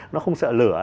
nó không sợ lửa